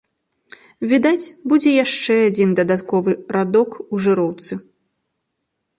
Відаць, будзе яшчэ адзін дадатковы радок у жыроўцы.